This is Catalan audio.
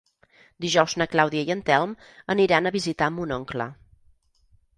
Dijous na Clàudia i en Telm aniran a visitar mon oncle.